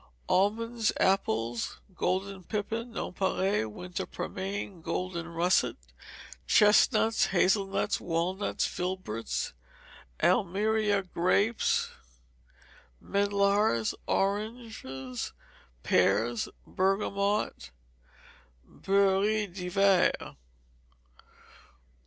Almonds. Apples: Golden pippin, nonpareil, winter pearmain, golden russet. Chestnuts, hazel nuts, walnuts, filberts, Almeria grapes, medlars, oranges. Pears: Bergamot, beurre d'hiver.